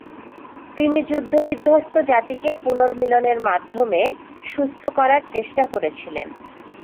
তিনি যুদ্ধ-বিধ্বস্ত জাতিকে পুনর্মিলনের মাধ্যমে সুস্থ করার চেষ্টা করেছিলেন।